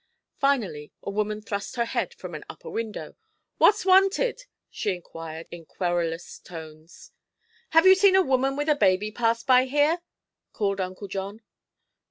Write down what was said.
Finally a woman thrust her head from an upper window. "What's wanted?" she inquired in querulous tones. "Have you seen a woman with a baby pass by here?" called Uncle John.